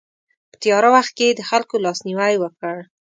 په تیاره وخت کې یې د خلکو لاسنیوی وکړ.